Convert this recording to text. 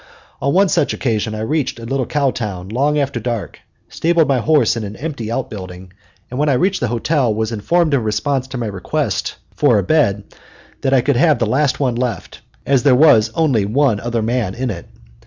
On one such occasion I reached a little cow town long after dark, stabled my horse in an empty outbuilding, and when I reached the hotel was informed in response to my request for a bed that I could have the last one left, as there was only one other man in it.